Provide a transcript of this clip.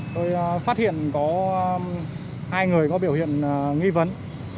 tôi phát hiện có hai người có biểu hiện nghi vấn